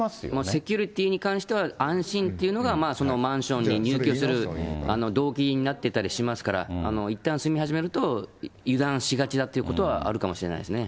セキュリティーに関しては安心というのが、そのマンションに入居する動機になってたりしますから、いったん住み始めると、油断しがちだっていうことはあるかもしれないですね。